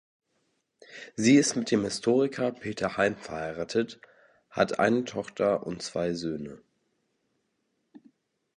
Sie ist mit dem Historiker Peter Heim verheiratet, hat eine Tochter und zwei Söhne.